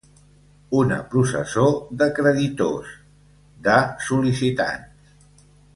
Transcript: Una processó de creditors, de sol·licitants.